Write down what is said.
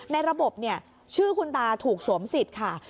ในระบบเนี่ยชื่อคุณตาถูกสวมสิทธิ์ค่ะ